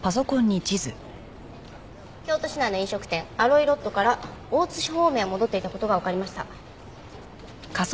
京都市内の飲食店アロイロットから大津市方面へ戻っていた事がわかりました。